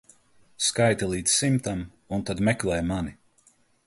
Skaiti līdz simtam un tad meklē mani.